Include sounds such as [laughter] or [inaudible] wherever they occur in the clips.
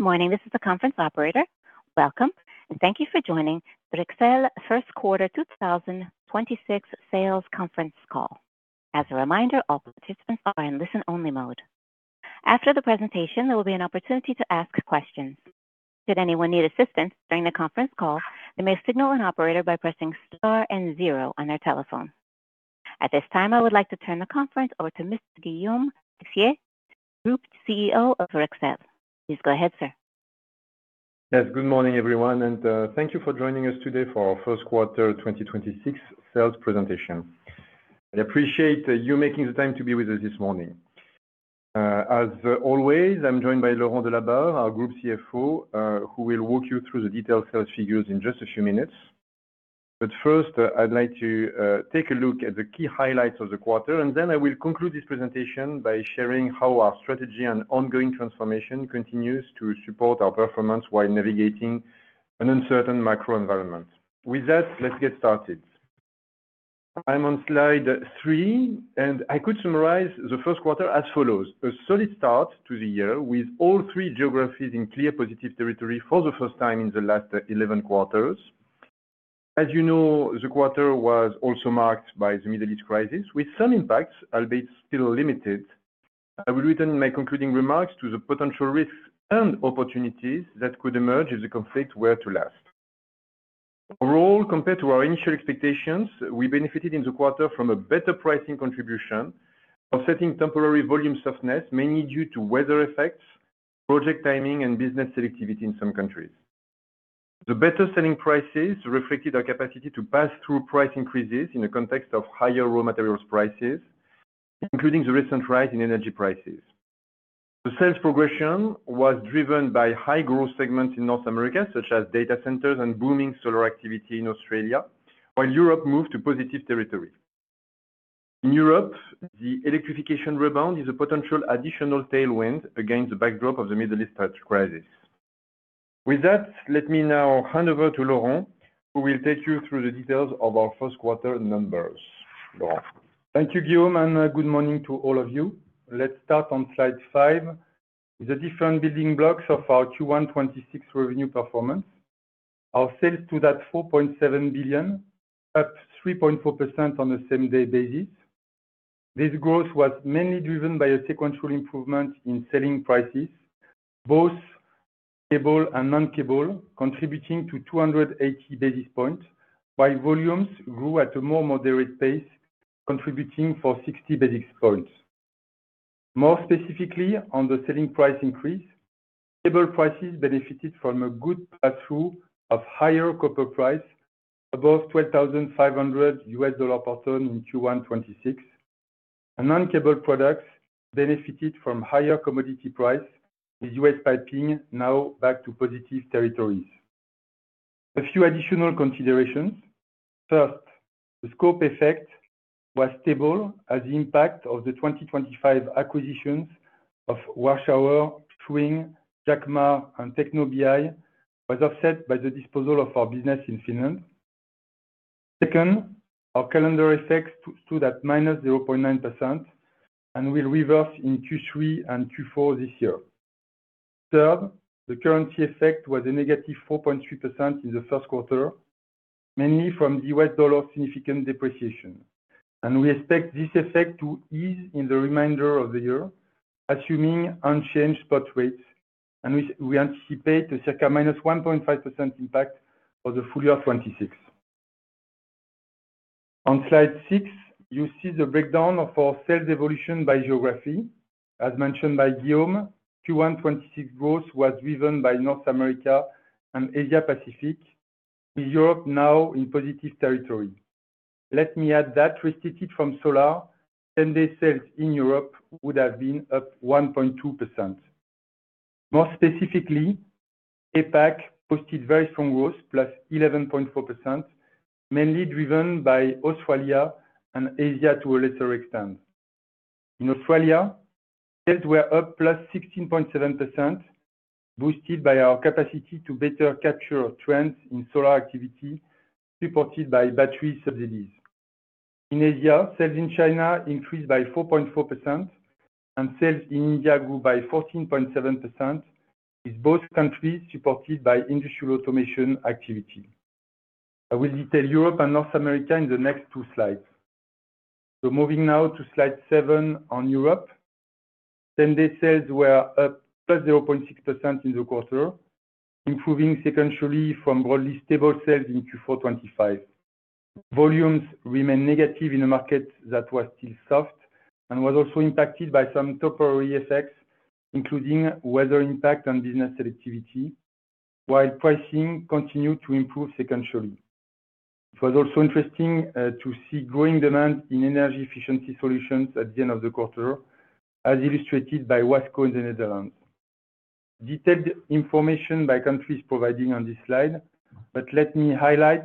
Good morning. This is the conference operator. Welcome, and thank you for joining Rexel first quarter 2026 sales conference call. As a reminder, all participants are in listen-only mode. After the presentation, there will be an opportunity to ask questions. Should anyone need assistance during the conference call, they may signal an operator by pressing star and zero on their telephone. At this time, I would like to turn the conference over to Mr. Guillaume Texier, Group CEO of Rexel. Please go ahead, sir. Yes, good morning, everyone, and thank you for joining us today for our first quarter 2026 sales presentation. I appreciate you making the time to be with us this morning. As always, I'm joined by Laurent Delabarre, our Group CFO, who will walk you through the detailed sales figures in just a few minutes. First, I'd like to take a look at the key highlights of the quarter, and then I will conclude this presentation by sharing how our strategy and ongoing transformation continues to support our performance while navigating an uncertain macro environment. With that, let's get started. I'm on slide three, and I could summarize the first quarter as follows. A solid start to the year with all three geographies in clear positive territory for the first time in the last 11 quarters. As you know, the quarter was also marked by the Middle East crisis, with some impacts, albeit still limited. I will return in my concluding remarks to the potential risks and opportunities that could emerge if the conflict were to last. Overall, compared to our initial expectations, we benefited in the quarter from a better pricing contribution, offsetting temporary volume softness, mainly due to weather effects, project timing, and business selectivity in some countries. The better selling prices reflected our capacity to pass through price increases in the context of higher raw materials prices, including the recent rise in energy prices. The sales progression was driven by high-growth segments in North America, such as data centers and booming solar activity in Australia, while Europe moved to positive territory. In Europe, the electrification rebound is a potential additional tailwind against the backdrop of the Middle East crisis. With that, let me now hand over to Laurent, who will take you through the details of our first quarter numbers. Laurent. Thank you, Guillaume, and good morning to all of you. Let's start on slide five. The different building blocks of our Q1 2026 revenue performance. Our sales totaled 4.7 billion, up 3.4% on a same-day basis. This growth was mainly driven by a sequential improvement in selling prices, both cable and non-cable, contributing to 280 basis points, while volumes grew at a more moderate pace, contributing 60 basis points. More specifically, on the selling price increase, cable prices benefited from a good pass-through of higher copper price above $12,500 per ton in Q1 2026, and non-cable products benefited from higher commodity price, with U.S. piping now back to positive territory. A few additional considerations. First, the scope effect was stable as the impact of the 2025 acquisitions of Warshauer, Schwing, Jacmar, and Tecno Bi was offset by the disposal of our business in Finland. Second, our calendar effects stood at -0.9% and will reverse in Q3 and Q4 this year. Third, the currency effect was a -4.3% in the first quarter, mainly from the U.S. dollar's significant depreciation. We expect this effect to ease in the remainder of the year, assuming unchanged spot rates, and we anticipate a circa -1.5% impact for the full year of 2026. On slide six, you see the breakdown of our sales evolution by geography. As mentioned by Guillaume, Q1 2026 growth was driven by North America and Asia-Pacific, with Europe now in positive territory. Let me add that adjusted for solar, same-day sales in Europe would have been up 1.2%. More specifically, APAC posted very strong growth, +11.4%, mainly driven by Australia and Asia, to a lesser extent. In Australia, sales were up +16.7%, boosted by our capacity to better capture trends in solar activity, supported by battery subsidies. In Asia, sales in China increased by 4.4%, and sales in India grew by 14.7%, with both countries supported by industrial automation activity. I will detail Europe and North America in the next two slides. Moving now to slide seven on Europe. Same-day sales were up +0.6% in the quarter, improving sequentially from broadly stable sales in Q4 2025. Volumes remained negative in a market that was still soft and was also impacted by some temporary effects, including weather impact on business selectivity, while pricing continued to improve sequentially. It was also interesting to see growing demand in energy efficiency solutions at the end of the quarter, as illustrated by Wasco in the Netherlands. Detailed information by countries provided on this slide, but let me highlight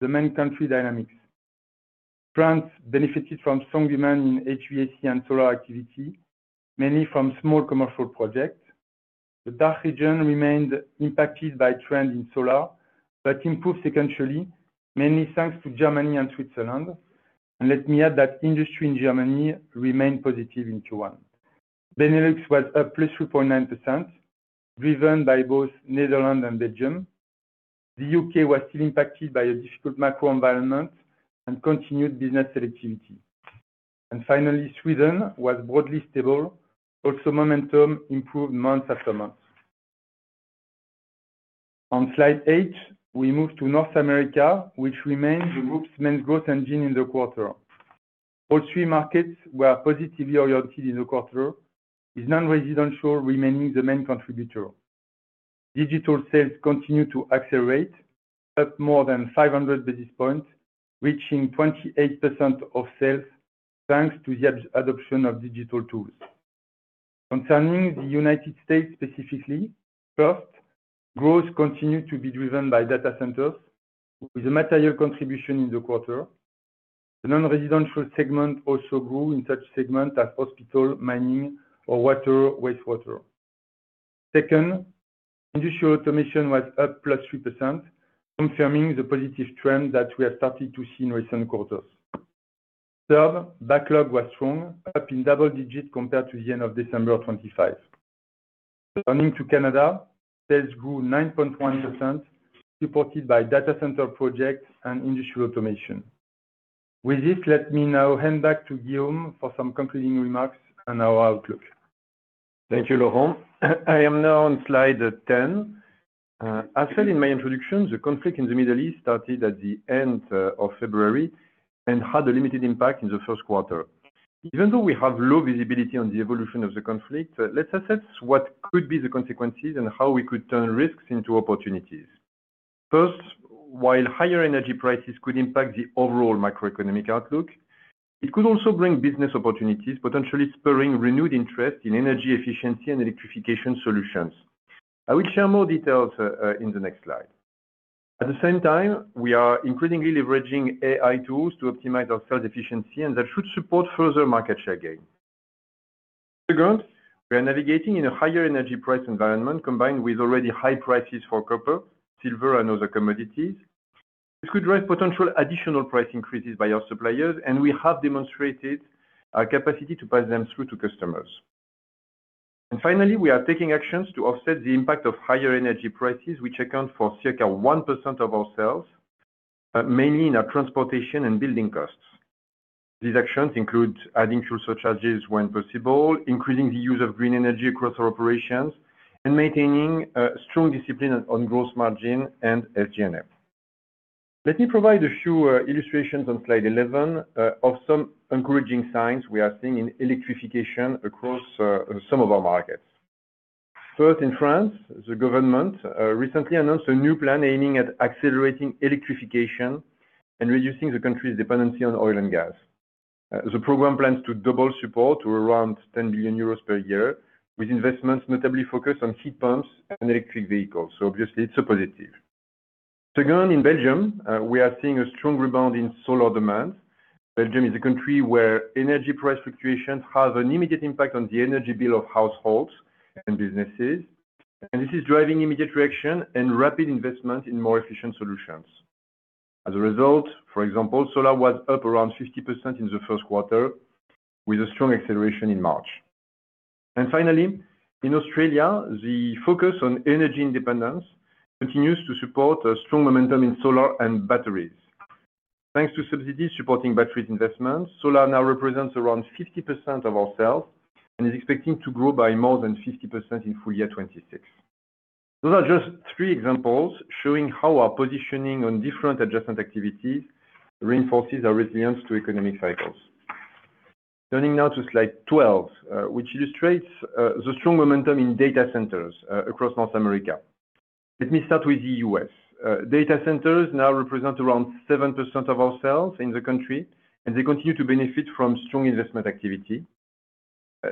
the main country dynamics. France benefited from strong demand in HVAC and solar activity, mainly from small commercial projects. The DACH region remained impacted by trends in solar, but improved sequentially, mainly thanks to Germany and Switzerland. Let me add that industry in Germany remained positive in Q1. Benelux was up +3.9%, driven by both Netherlands and Belgium. The U.K. was still impacted by a difficult macro environment and continued business selectivity. Finally, Sweden was broadly stable. Also, momentum improved month after month. On slide eight, we move to North America, which remained the Group's main growth engine in the quarter. All three markets were positively oriented in the quarter, with non-residential remaining the main contributor. Digital sales continued to accelerate, up more than 500 basis points, reaching 28% of sales, thanks to the adoption of digital tools. Concerning the United States specifically, first, growth continued to be driven by data centers, with a material contribution in the quarter. The non-residential segment also grew in such segments as hospital, mining, or water wastewater. Second, industrial automation was up +3%, confirming the positive trend that we have started to see in recent quarters. Third, backlog was strong, up in double digits compared to the end of December 2025. Turning to Canada, sales grew 9.1%, supported by data center projects and industrial automation. With this, let me now hand back to Guillaume for some concluding remarks on our outlook. Thank you, Laurent. I am now on slide 10. As said in my introduction, the conflict in the Middle East started at the end of February and had a limited impact in the first quarter. Even though we have low visibility on the evolution of the conflict, let's assess what could be the consequences and how we could turn risks into opportunities. First, while higher energy prices could impact the overall macroeconomic outlook, it could also bring business opportunities, potentially spurring renewed interest in energy efficiency and electrification solutions. I will share more details in the next slide. At the same time, we are increasingly leveraging AI tools to optimize our sales efficiency, and that should support further market share gain. Second, we are navigating in a higher energy price environment, combined with already high prices for copper, silver, and other commodities. This could raise potential additional price increases by our suppliers, and we have demonstrated our capacity to pass them through to customers. Finally, we are taking actions to offset the impact of higher energy prices, which account for circa 1% of our sales, mainly in our transportation and building costs. These actions include adding fuel surcharges when possible, increasing the use of green energy across our operations, and maintaining strong discipline on gross margin and SG&A. Let me provide a few illustrations on slide 11 of some encouraging signs we are seeing in electrification across some of our markets. First, in France, the government recently announced a new plan aiming at accelerating electrification and reducing the country's dependency on Oil & Gas. The program plans to double support to around 10 billion euros per year, with investments notably focused on heat pumps and electric vehicles. Obviously, it's a positive. Second, in Belgium, we are seeing a strong rebound in solar demand. Belgium is a country where energy price fluctuations have an immediate impact on the energy bill of households and businesses, and this is driving immediate reaction and rapid investment in more efficient solutions. As a result, for example, solar was up around 50% in the first quarter, with a strong acceleration in March. Finally, in Australia, the focus on energy independence continues to support a strong momentum in solar and batteries. Thanks to subsidies supporting batteries investments, solar now represents around 50% of our sales and is expecting to grow by more than 50% in full year 2026. Those are just three examples showing how our positioning on different adjacent activities reinforces our resilience to economic cycles. Turning now to slide 12, which illustrates the strong momentum in data centers across North America. Let me start with the U.S. Data centers now represent around 7% of our sales in the country, and they continue to benefit from strong investment activity.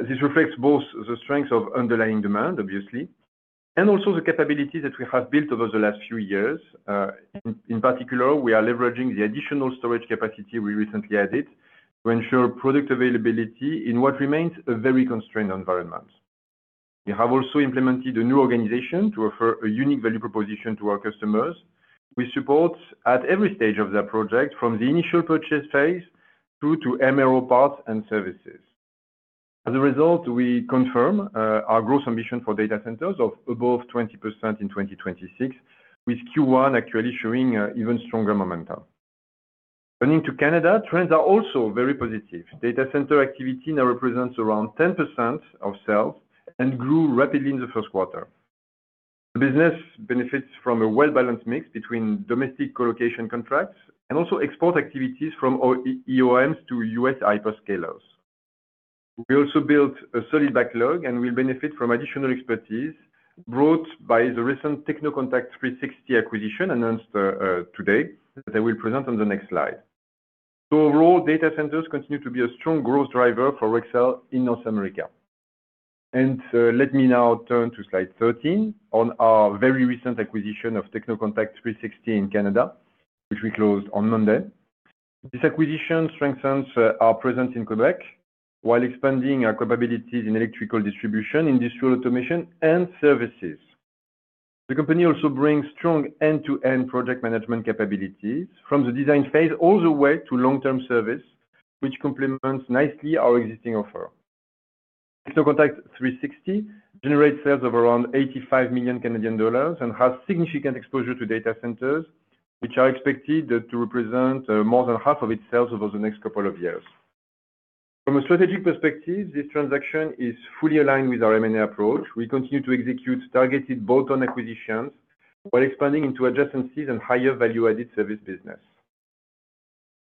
This reflects both the strength of underlying demand, obviously, and also the capability that we have built over the last few years. In particular, we are leveraging the additional storage capacity we recently added to ensure product availability in what remains a very constrained environment. We have also implemented a new organization to offer a unique value proposition to our customers. We support at every stage of their project, from the initial purchase phase through to MRO parts and services. As a result, we confirm our growth ambition for data centers of above 20% in 2026, with Q1 actually showing even stronger momentum. Turning to Canada, trends are also very positive. Data center activity now represents around 10% of sales and grew rapidly in the first quarter. The business benefits from a well-balanced mix between domestic colocation contracts and also export activities from OEMs to U.S. hyperscalers. We also built a solid backlog and will benefit from additional expertise brought by the recent Techno-Contact 360 acquisition announced today that I will present on the next slide. Overall, data centers continue to be a strong growth driver for Rexel in North America. Let me now turn to slide 13 on our very recent acquisition of Techno-Contact 360 in Canada, which we closed on Monday. This acquisition strengthens our presence in Quebec while expanding our capabilities in electrical distribution, industrial automation, and services. The company also brings strong end-to-end project management capabilities from the design phase all the way to long-term service, which complements nicely our existing offer. Techno-Contact 360 generates sales of around 85 million Canadian dollars and has significant exposure to data centers, which are expected to represent more than half of its sales over the next couple of years. From a strategic perspective, this transaction is fully aligned with our M&A approach. We continue to execute targeted bolt-on acquisitions while expanding into adjacencies and higher value-added service business.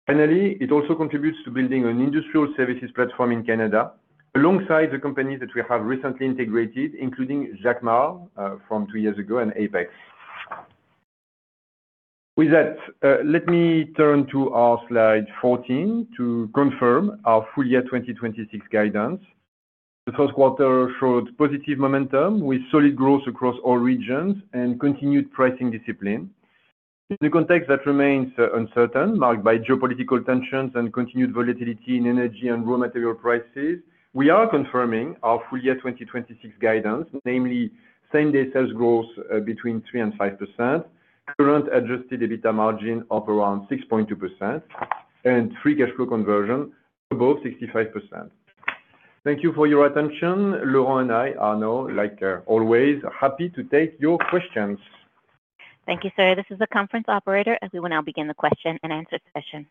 Finally, it also contributes to building an industrial services platform in Canada alongside the companies that we have recently integrated, including Jacmar from two years ago and Apex. With that, let me turn to our slide 14 to confirm our full year 2026 guidance. The first quarter showed positive momentum with solid growth across all regions and continued pricing discipline. In the context that remains uncertain, marked by geopolitical tensions and continued volatility in energy and raw material prices, we are confirming our full year 2026 guidance, namely same-day sales growth between 3% and 5%, current adjusted EBITDA margin of around 6.2%, and free cash flow conversion above 65%. Thank you for your attention. Laurent and I are now, like always, happy to take your questions. Thank you, sir. This is the conference operator, and we will now begin the question-and-answer session.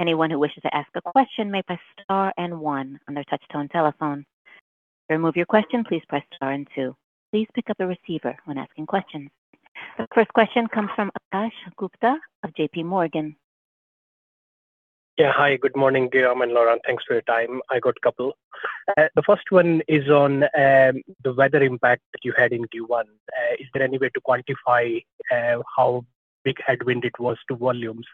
Anyone who wishes to ask a question may press star and one on their touch-tone telephone. To remove your question, please press star and two. Please pick up the receiver when asking questions. The first question comes from Akash Gupta of JPMorgan. Yeah. Hi, good morning, Guillaume and Laurent. Thanks for your time. I got a couple. The first one is on the weather impact that you had in Q1. Is there any way to quantify how big headwind it was to volumes?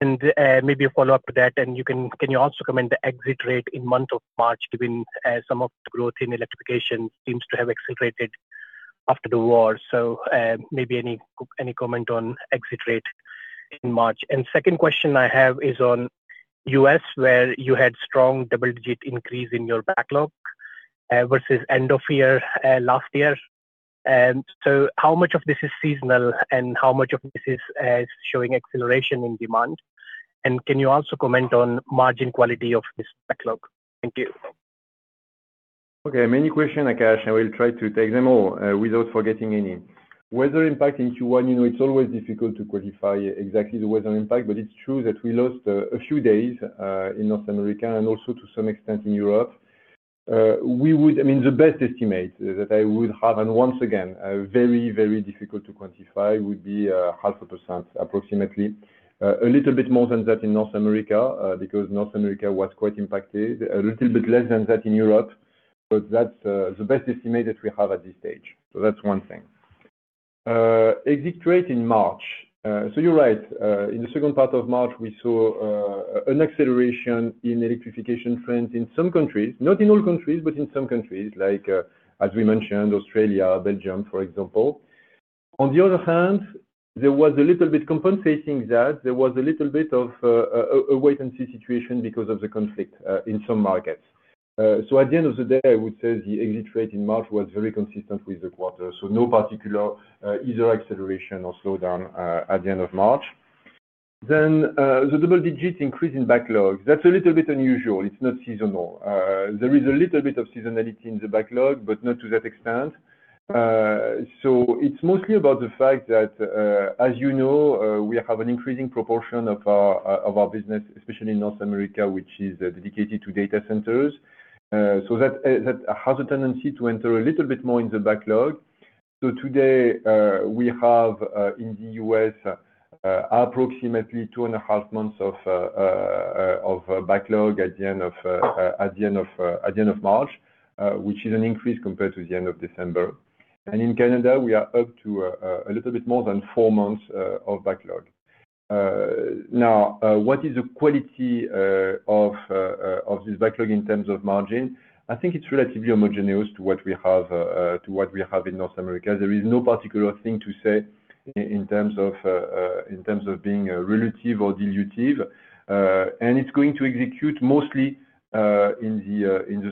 Maybe a follow-up to that then, can you also comment the exit rate in month of March, given some of the growth in electrification seems to have accelerated after the war. Maybe any comment on exit rate in March. Second question I have is on U.S., where you had strong double-digit increase in your backlog versus end of year last year. How much of this is seasonal and how much of this is showing acceleration in demand? Can you also comment on margin quality of this backlog? Thank you. Okay. Many questions, Akash. I will try to take them all without forgetting any. Weather impact in Q1, it's always difficult to quantify exactly the weather impact, but it's true that we lost a few days in North America and also to some extent in Europe. The best estimate that I would have, and once again, very difficult to quantify, would be 0.5% approximately. A little bit more than that in North America, because North America was quite impacted, a little bit less than that in Europe. But that's the best estimate that we have at this stage. That's one thing. Exit rate in March. You're right, in the second part of March, we saw an acceleration in electrification trends in some countries. Not in all countries, but in some countries like, as we mentioned, Australia, Belgium, for example. On the other hand, there was a little bit compensating that. There was a little bit of a wait-and-see situation because of the conflict in some markets. At the end of the day, I would say the exit rate in March was very consistent with the quarter. No particular either acceleration or slowdown at the end of March. The double-digit increase in backlog. That's a little bit unusual. It's not seasonal. There is a little bit of seasonality in the backlog, but not to that extent. It's mostly about the fact that, as you know, we have an increasing proportion of our business, especially in North America, which is dedicated to data centers. That has a tendency to enter a little bit more in the backlog. Today we have in the U.S. approximately 2.5 months of backlog at the end of March, which is an increase compared to the end of December. In Canada, we are up to a little bit more than four months of backlog. Now, what is the quality of this backlog in terms of margin? I think it's relatively homogeneous to what we have in North America. There is no particular thing to say in terms of being relative or dilutive, and it's going to execute mostly in the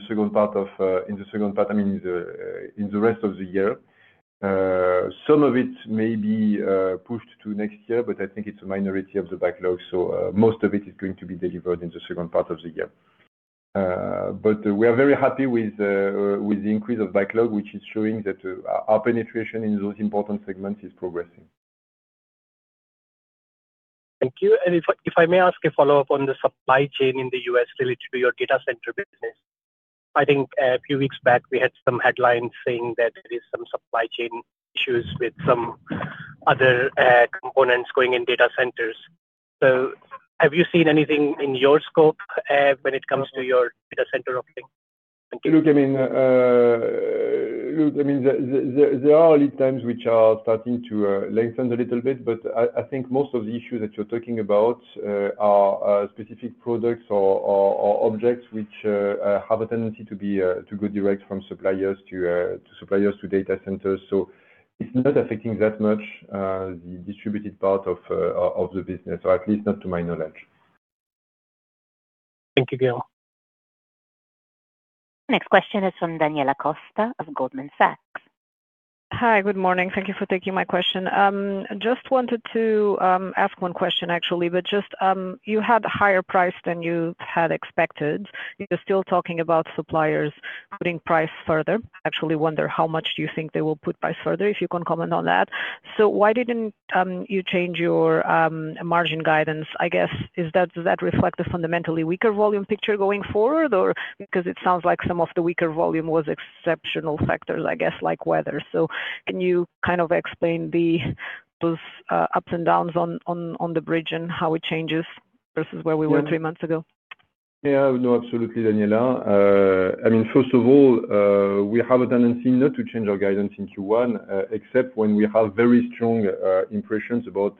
rest of the year. Some of it may be pushed to next year, but I think it's a minority of the backlog. Most of it is going to be delivered in the second part of the year. We are very happy with the increase of backlog, which is showing that our penetration in those important segments is progressing. Thank you. If I may ask a follow-up on the supply chain in the U.S. related to your data center business. I think a few weeks back, we had some headlines saying that there is some supply chain issues with some other components going in data centers. Have you seen anything in your scope when it comes to your data center offering? Thank you. Look, there are lead times which are starting to lengthen a little bit, but I think most of the issues that you're talking about are specific products or objects which have a tendency to go direct from suppliers to data centers. It's not affecting that much the distributed part of the business, or at least not to my knowledge. Thank you, Guillaume. Next question is from Daniela Costa of Goldman Sachs. Hi, good morning. Thank you for taking my question. Just wanted to ask one question actually, but just you had a higher price than you had expected. You're still talking about suppliers putting price further. Actually, I wonder how much do you think they will put price further, if you can comment on that. Why didn't you change your margin guidance? I guess, does that reflect a fundamentally weaker volume picture going forward? Or, because it sounds like some of the weaker volume was exceptional factors, I guess like weather. Can you kind of explain those ups and downs on the bridge and how it changes versus where we were three months ago? Yeah, no, absolutely, Daniela. First of all, we have a tendency not to change our guidance in Q1, except when we have very strong impressions about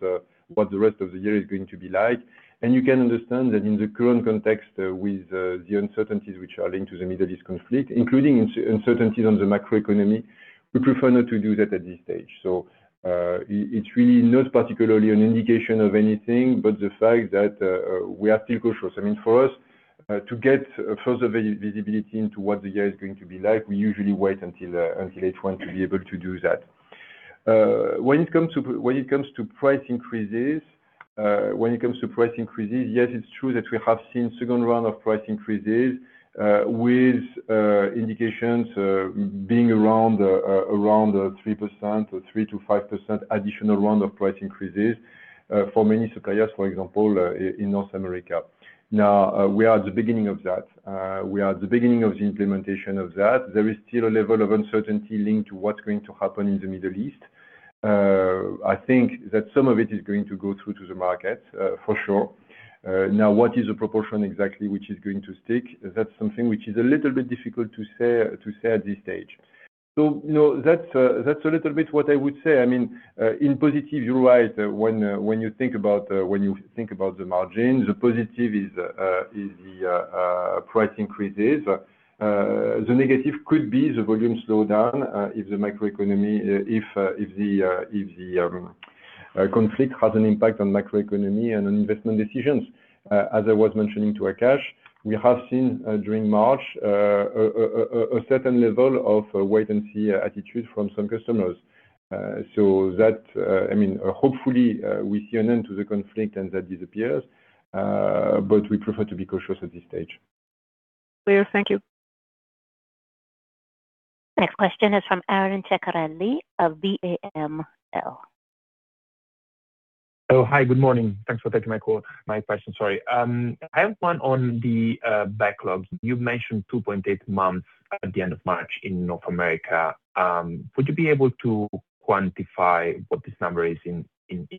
what the rest of the year is going to be like. You can understand that in the current context with the uncertainties which are linked to the Middle East conflict, including uncertainties on the macroeconomy, we prefer not to do that at this stage. It's really not particularly an indication of anything but the fact that we are still cautious. I mean, for us, to get further visibility into what the year is going to be like, we usually wait until H1 to be able to do that. When it comes to price increases, yes, it's true that we have seen second round of price increases, with indications being around 3% or 3%-5% additional round of price increases for many suppliers, for example, in North America. Now, we are at the beginning of that. We are at the beginning of the implementation of that. There is still a level of uncertainty linked to what's going to happen in the Middle East. I think that some of it is going to go through to the market for sure. Now, what is the proportion exactly which is going to stick? That's something which is a little bit difficult to say at this stage. That's a little bit what I would say. In positive, you're right. When you think about the margin, the positive is the price increases. The negative could be the volume slowdown if the conflict has an impact on macroeconomy and on investment decisions. As I was mentioning to Akash, we have seen during March, a certain level of wait and see attitude from some customers. Hopefully, we see an end to the conflict and that disappears, but we prefer to be cautious at this stage. Clear. Thank you. Next question is from Aaron Ceccarelli of BAML. Oh, hi, good morning. Thanks for taking my call. My question, sorry. I have one on the backlogs. You've mentioned 2.8 months at the end of March in North America. Would you be able to quantify what this number is in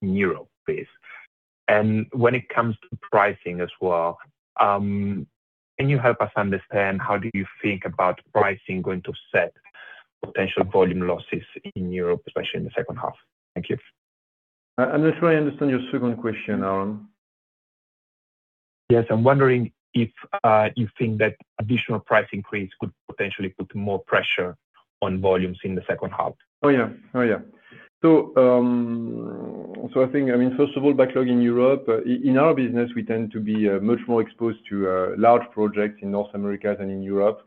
Europe, please? When it comes to pricing as well, can you help us understand how do you think about pricing going to offset potential volume losses in Europe, especially in the second half? Thank you. I'm not sure I understand your second question, Aaron. Yes, I'm wondering if you think that additional price increase could potentially put more pressure on volumes in the second half. Oh, yeah. I think, first of all, backlog in Europe, in our business, we tend to be much more exposed to large projects in North America than in Europe,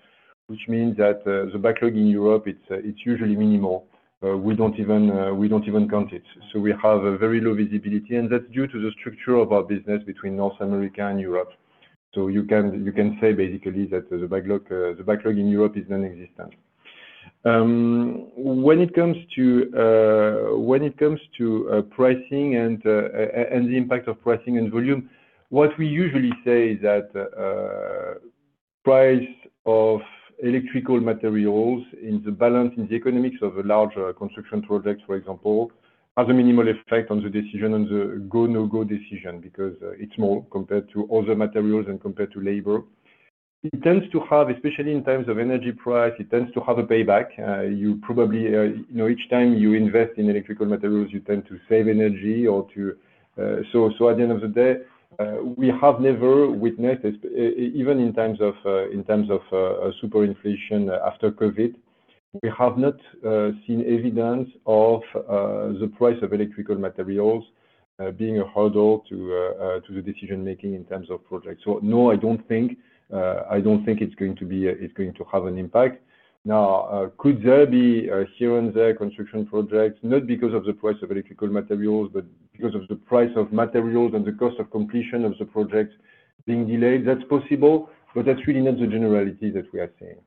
which means that the backlog in Europe, it's usually minimal. We don't even count it. We have a very low visibility, and that's due to the structure of our business between North America and Europe. You can say basically that the backlog in Europe is nonexistent. When it comes to pricing and the impact of pricing and volume, what we usually say is that price of electrical materials in the balance, in the economics of a larger construction project, for example, has a minimal effect on the decision, on the go, no-go decision, because it's small compared to other materials and compared to labor. It tends to have, especially in times of energy price, it tends to have a payback. Each time you invest in electrical materials, you tend to save energy. So at the end of the day, we have never witnessed, even in times of super inflation after COVID, we have not seen evidence of the price of electrical materials being a hurdle to the decision-making in terms of projects. So no, I don't think it's going to have an impact. Now, could there be here and there construction projects, not because of the price of electrical materials, but because of the price of materials and the cost of completion of the projects being delayed? That's possible, but that's really not the generality that we are seeing.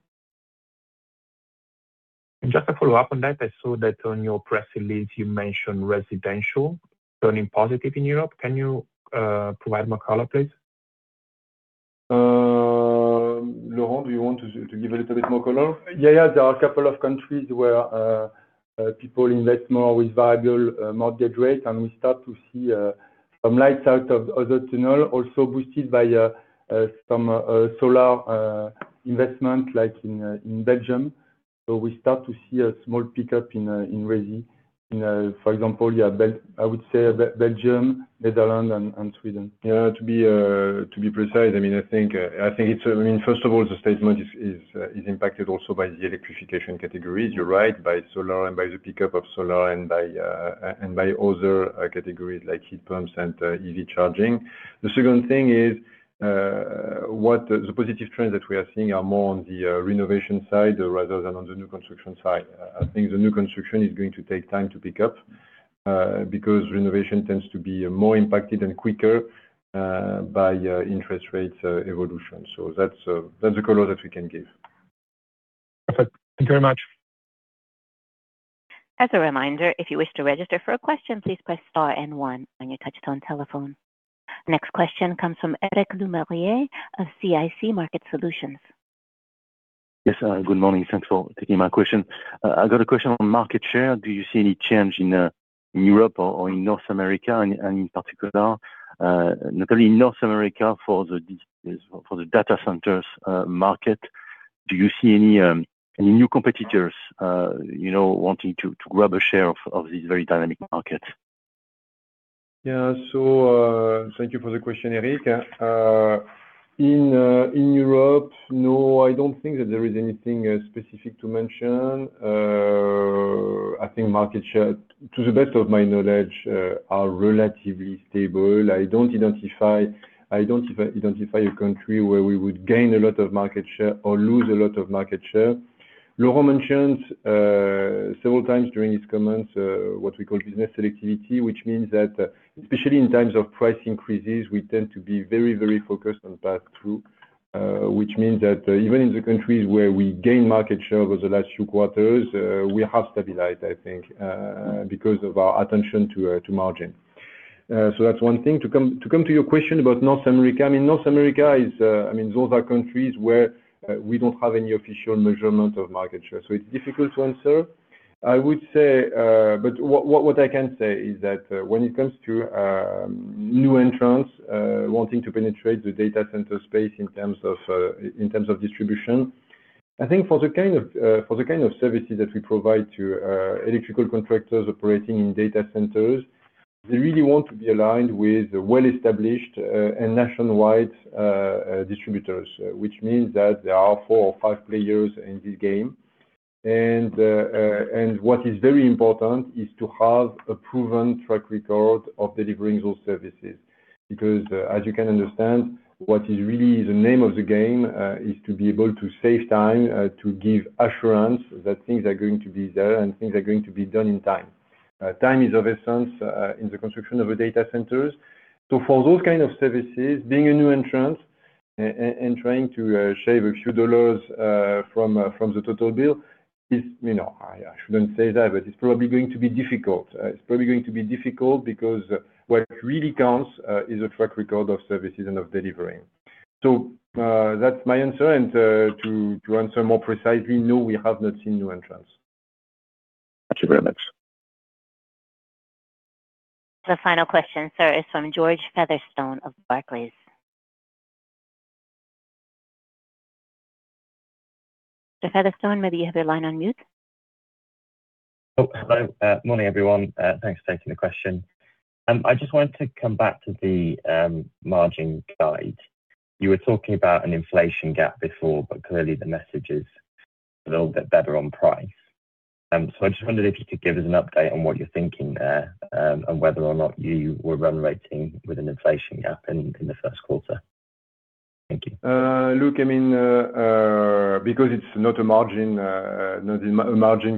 Just a follow-up on that, I saw that on your press release, you mentioned residential turning positive in Europe. Can you provide more color, please? Laurent, do you want to give a little bit more color? Yeah, there are a couple of countries where people invest more with variable mortgage rates, and we start to see some light at the end of the tunnel also boosted by some solar investment, like in Belgium. We start to see a small pickup in resi. For example, I would say Belgium, Netherlands, and Sweden. Yeah, to be precise, I think first of all, the statement is impacted also by the electrification categories, you're right, by solar and by the pickup of solar and by other categories like heat pumps and EV charging. The second thing is, what the positive trends that we are seeing are more on the renovation side rather than on the new construction side. I think the new construction is going to take time to pick up, because renovation tends to be more impacted and quicker by interest rates evolution. That's the color that we can give. Perfect. Thank you very much. As a reminder, if you wish to register for a question, please press star and one on your touch-tone telephone. Next question comes from Eric Lemarié of CIC Market Solutions. Yes, good morning. Thanks for taking my question. I've got a question on market share. Do you see any change in Europe or in North America, and in particular, notably in North America for the data centers market? Do you see any new competitors wanting to grab a share of this very dynamic market? Yeah, thank you for the question, Eric. In Europe, no, I don't think that there is anything specific to mention. I think market share, to the best of my knowledge, are relatively stable. I don't identify a country where we would gain a lot of market share or lose a lot of market share. Laurent mentioned several times during his comments what we call business selectivity, which means that especially in times of price increases, we tend to be very focused on pass-through, which means that even in the countries where we gain market share over the last few quarters, we have stabilized, I think, because of our attention to margin. That's one thing. To come to your question about North America, North America, those are countries where we don't have any official measurement of market share, so it's difficult to answer. What I can say is that when it comes to new entrants wanting to penetrate the data center space in terms of distribution, I think for the kind of services that we provide to electrical contractors operating in data centers, they really want to be aligned with well-established and nationwide distributors, which means that there are four or five players in this game. What is very important is to have a proven track record of delivering those services. Because, as you can understand, what is really the name of the game is to be able to save time, to give assurance that things are going to be there and things are going to be done in time. Time is of essence in the construction of the data centers. For those kind of services, being a new entrant and trying to shave a few dollars from the total bill is. I shouldn't say that, but it's probably going to be difficult because what really counts is a track record of services and of delivering. That's my answer. To answer more precisely, no, we have not seen new entrants. Thank you very much. The final question, sir, is from George Featherstone of Barclays. George Featherstone, maybe you have your line on mute. Oh, hello. Morning, everyone. Thanks for taking the question. I just wanted to come back to the margin guide. You were talking about an inflation gap before, but clearly the message is a little bit better on price. I just wondered if you could give us an update on what you're thinking there and whether or not you were run rating with an inflation gap in the first quarter. Thank you. Look, because it's not a margin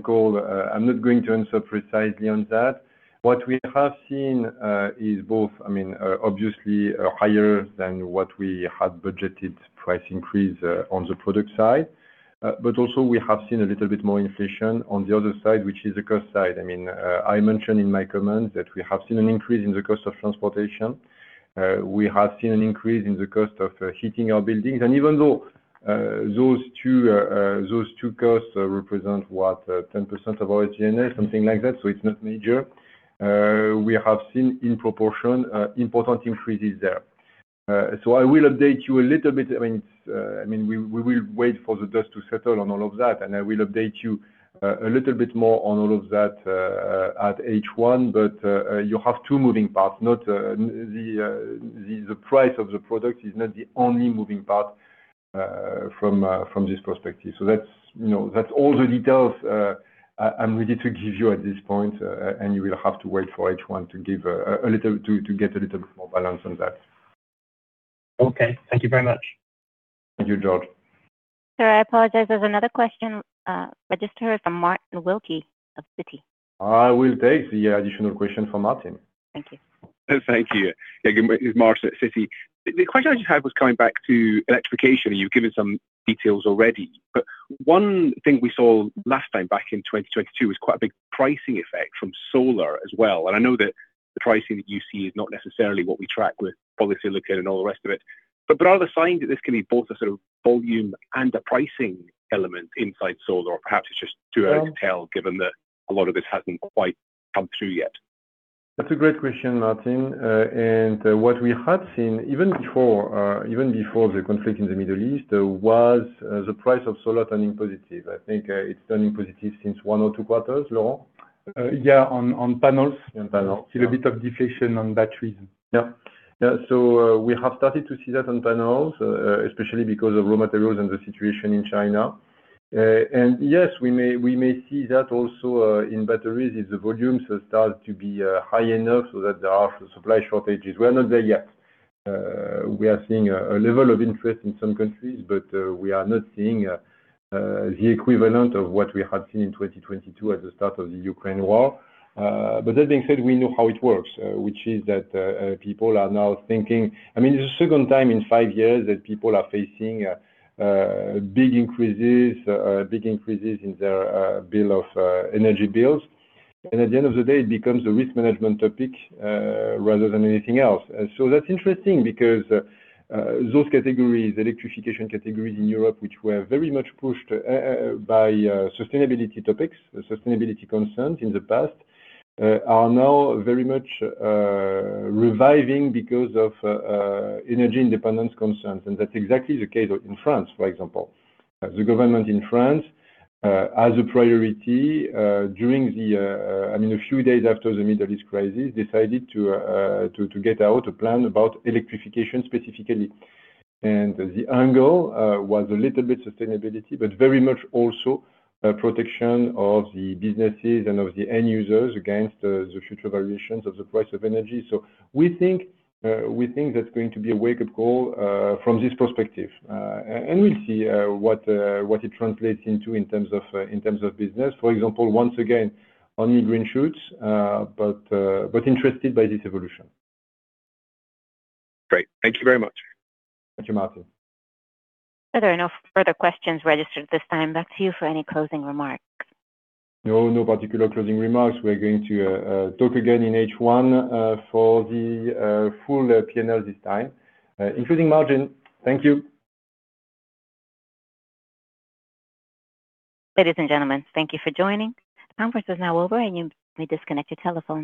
call, I'm not going to answer precisely on that. What we have seen is both, obviously, a higher than what we had budgeted price increase on the product side. We have seen a little bit more inflation on the other side, which is the cost side. I mentioned in my comments that we have seen an increase in the cost of transportation. We have seen an increase in the cost of heating our buildings. Even though those two costs represent, what, 10% of our, [audio distortion] something like that, so it's not major. We have seen, in proportion, important increases there. I will update you a little bit. We will wait for the dust to settle on all of that, and I will update you a little bit more on all of that at H1. You have two moving parts. The price of the product is not the only moving part from this perspective. That's all the details I'm ready to give you at this point, and you will have to wait for H1 to get a little bit more balance on that. Okay. Thank you very much. Thank you, George. Sir, I apologize. There's another question registered from Martin Wilkie of Citi. I will take the additional question from Martin. Thank you. Thank you. Yeah, good morning. It's Martin at Citi. The question I just had was coming back to electrification, and you've given some details already. One thing we saw last time back in 2022 was quite a big pricing effect from solar as well. I know that the pricing that you see is not necessarily what we track with polysilicon and all the rest of it. Are there signs that this can be both a sort of volume and a pricing element inside solar? Perhaps it's just too early to tell, given that a lot of this hasn't quite come through yet. That's a great question, Martin. What we had seen, even before the conflict in the Middle East, was the price of solar turning positive. I think it's turning positive since one or two quarters. Laurent? Yeah, on panels. On panels. Still a bit of deflation on batteries. Yeah. We have started to see that on panels, especially because of raw materials and the situation in China. Yes, we may see that also in batteries if the volumes start to be high enough so that there are supply shortages. We are not there yet. We are seeing a level of interest in some countries, but we are not seeing the equivalent of what we had seen in 2022 at the start of the Ukraine war. That being said, we know how it works, which is that people are now thinking, it's the second time in five years that people are facing big increases in their energy bills. At the end of the day, it becomes a risk management topic rather than anything else. That's interesting because those categories, electrification categories in Europe, which were very much pushed by sustainability topics, sustainability concerns in the past, are now very much reviving because of energy independence concerns, and that's exactly the case in France, for example. The government in France, as a priority during a few days after the Middle East crisis, decided to get out a plan about electrification specifically. The angle was a little bit sustainability, but very much also protection of the businesses and of the end users against the future variations of the price of energy. We think that's going to be a wake-up call from this perspective. We'll see what it translates into in terms of business. For example, once again, only green shoots, but interested by this evolution. Great. Thank you very much. Thank you, Martin. Sir, there are no further questions registered at this time. Back to you for any closing remarks. No, no particular closing remarks. We're going to talk again in H1 for the full P&L this time, including margin. Thank you. Ladies and gentlemen, thank you for joining. The conference is now over and you may disconnect your telephone.